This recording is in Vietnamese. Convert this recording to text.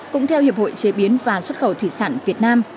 cũng theo hiệp hội chế biến và xuất khẩu thủy sản việt nam